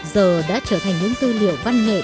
giờ đã trở thành những tư liệu văn nghệ